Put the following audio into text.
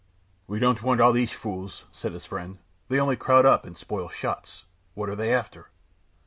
"We don't want all these fools," said his friend. "They only crowd up and spoil shots. What are they after?"